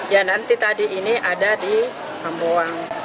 ya nanti tadi ini ada di kamboang